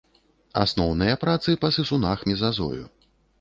Асноўныя працы па сысунах мезазою.